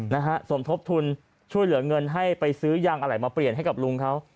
นะฮะสมทบทุนช่วยเหลือเงินให้ไปซื้อยางอะไรมาเปลี่ยนให้กับลุงเขา